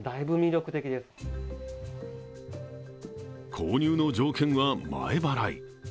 購入の条件は前払い。